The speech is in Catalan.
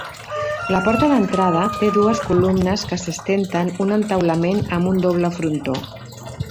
La porta d'entrada té dues columnes que sustenten un entaulament amb un doble frontó.